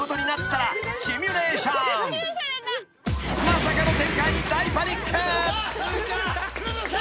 ［まさかの展開に大パニック］